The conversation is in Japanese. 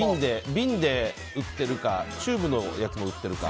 瓶で売ってるかチューブのやつも売ってるか。